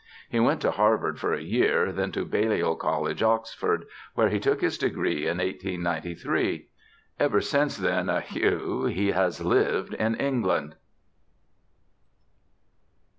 He went to Harvard for a year, then to Balliol College, Oxford, where he took his degree in 1893. Ever since then, eheu, he has lived in England.